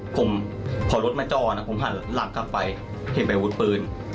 ผมพอรถมาจอผมหันหลังกลับไปเห็นใบบุ๊ดปืน